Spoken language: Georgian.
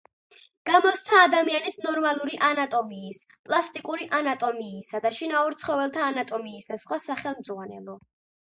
გამოსცა ადამიანის ნორმალური ანატომიის, პლასტიკური ანატომიისა და შინაურ ცხოველთა ანატომიის და სხვა სახელმძღვანელო.